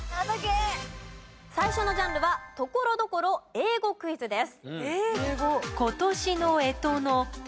最初のジャンルはところどころ英語クイズです。